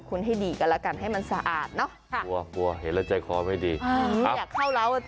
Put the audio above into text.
คุณให้ดีกันแล้วกันให้มันสะอาดเนอะ